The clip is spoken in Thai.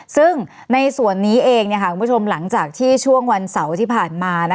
ซึ่งในส่วนนี้เองคุณผู้ชมหลังจากที่ช่วงวันเสาร์ที่ผ่านมา